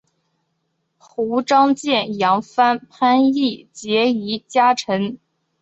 胡璋剑杨帆潘羿捷移佳辰